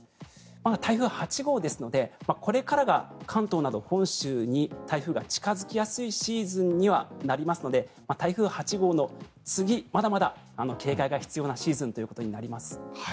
台風８号ですのでこれからが関東など本州に台風が近付きやすいシーズンにはなりますので台風８号の次、まだまだ警戒が必要なシーズンとなります。